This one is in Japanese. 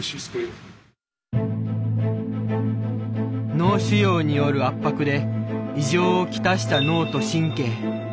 脳腫瘍による圧迫で異常を来した脳と神経。